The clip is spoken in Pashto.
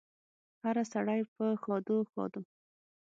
هره سړی په ښادو، ښادو